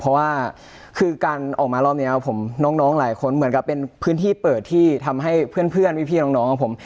เพราะว่าคือการออกมารอบนี้น้องหลายคนเหมือนกับเป็นพื้นที่เปิดที่ทำให้เพื่อนพี่น้องของผม